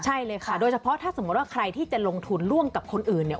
ใช่เลยค่ะโดยเฉพาะถ้าสมมุติว่าใครที่จะลงทุนร่วมกับคนอื่นเนี่ย